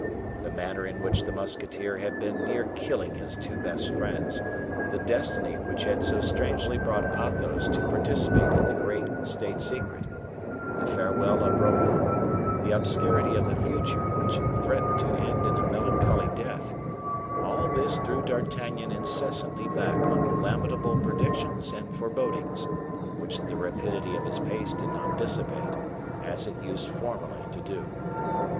The manner in which the musketeer had been near killing his two best friends, the destiny which had so strangely brought Athos to participate in the great state secret, the farewell of Raoul, the obscurity of the future which threatened to end in a melancholy death; all this threw D'Artagnan incessantly back on lamentable predictions and forebodings, which the rapidity of his pace did not dissipate, as it used formerly to do.